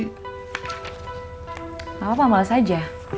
nggak apa apa males aja